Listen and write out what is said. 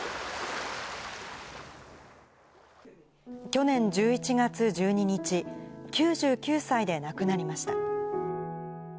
去年１１月１２日、９９歳で亡くなりました。